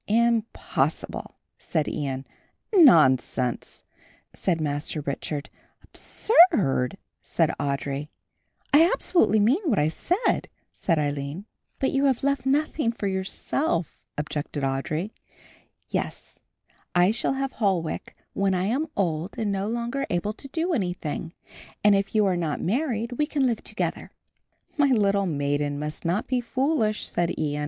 "Impossible," said Ian. "Nonsense," said Master Richard. "Absurd," said Audry. "I absolutely mean what I say," said Aline. "But you have left nothing for yourself," objected Audry. "Yes, I shall have Holwick when I am old and no longer able to do anything; and if you are not married we can live together." "My little maiden must not be foolish," said Ian.